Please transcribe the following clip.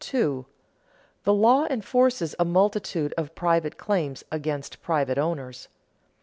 _The law enforces a multitude of private claims against private owners.